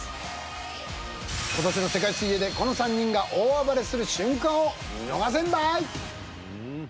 今年の世界水泳でこの３人が大暴れする瞬間を見逃せんばい！